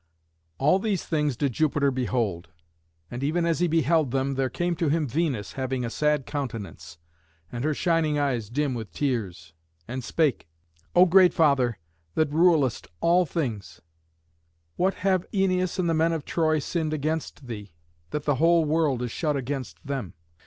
All these things did Jupiter behold; and even as he beheld them there came to him Venus, having a sad countenance and her shining eyes dim with tears, and spake: "O great Father, that rulest all things, what have Æneas and the men of Troy sinned against thee, that the whole world is shut against them?